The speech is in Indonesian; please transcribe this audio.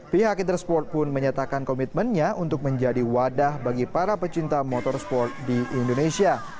pihak intersport pun menyatakan komitmennya untuk menjadi wadah bagi para pecinta motorsport di indonesia